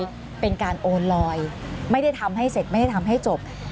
คือเป็นการโอนลอยไม่ได้ทำให้เสร็จไม่ได้ทำให้จบ